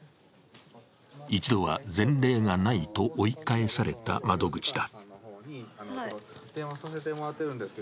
一度は前例がないと追い返された窓口だ。